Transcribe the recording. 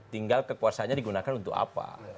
tinggal kekuasaannya digunakan untuk apa